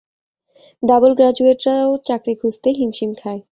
Double গ্রাজুয়েটরাও চাকরি খুঁজতে হিমশিম খায়।